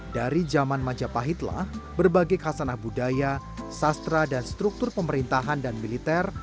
dari zaman majapahitlah berbagai kasanah budaya sastra dan struktur pemerintahan dan militer